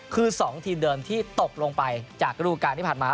คือ๒ทีมเดิมที่ตกลงไปจากฤดูการที่ผ่านมา